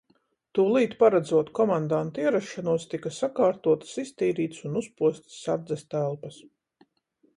Tūlīt paredzot komandanta ierašanos, tika sakārtotas, iztīrītas un uzpostas sardzes telpas.